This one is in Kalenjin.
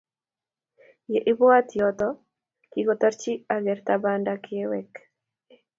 Ye ibata yoto, kikitoroch akerat banda kewek